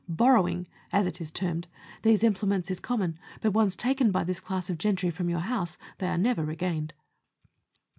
Borrowing (as it is termed) these implements is common, but once taken by this class of gentry from your house they are never regained.